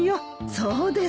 そうですか。